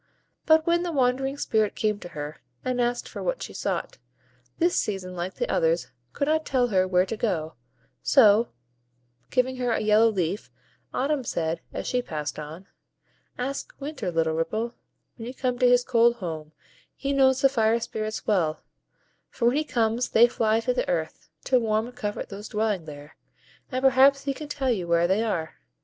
But when the wandering Spirit came to her, and asked for what she sought, this season, like the others, could not tell her where to go; so, giving her a yellow leaf, Autumn said, as she passed on,— "Ask Winter, little Ripple, when you come to his cold home; he knows the Fire Spirits well, for when he comes they fly to the earth, to warm and comfort those dwelling there; and perhaps he can tell you where they are.